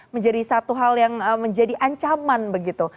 menjadi satu hal yang menjadi ancaman begitu